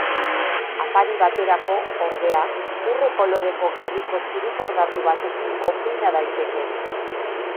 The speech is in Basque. Afari baterako, ordea, urre koloreko gerriko txirikordatu batekin konbina daiteke.